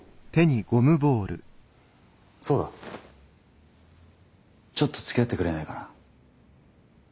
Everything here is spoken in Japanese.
そうだちょっとつきあってくれないかな？